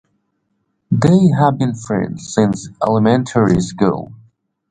They have been friends since elementary school.